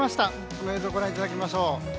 その映像をご覧いただきましょう。